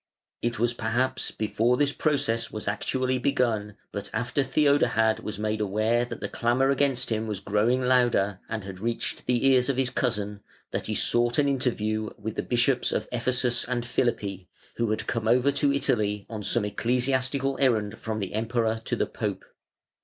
It was perhaps before this process was actually begun, but after Theodahad was made aware that the clamour against him was growing louder and had reached the ears of his cousin, that he sought an interview with the Bishops of Ephesus and Philippi, who had come over to Italy on some ecclesiastical errand from the Emperor to the Pope.